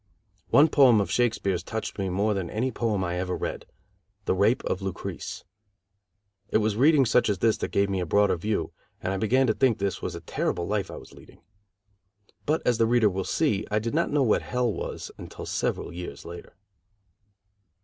One poem of Shakespeare's touched me more than any other poem I ever read The Rape of Lucrece. It was reading such as this that gave me a broader view, and I began to think that this was a terrible life I was leading. But, as the reader will see, I did not know what hell was until several years later.